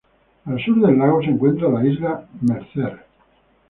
Al sur del lago se encuentra la isla Mercer.